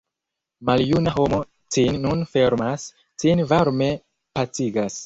Maljuna homo cin nun fermas, cin varme pacigas.